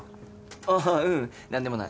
ああううんなんでもない。